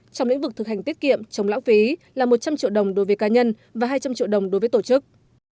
trong lĩnh vực thực hành tiết kiệm chống lãng phí là một trăm linh triệu đồng đối với cá nhân và hai trăm linh triệu đồng đối với tổ chức